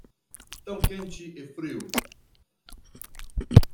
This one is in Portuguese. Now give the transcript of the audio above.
Tão quente e frio